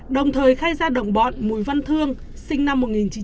đồng thời khai ra đồng bọn mùi văn thương sinh năm một nghìn chín trăm chín mươi bảy